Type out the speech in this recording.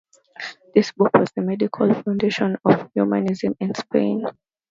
This book was the medical foundation of humanism in Spain.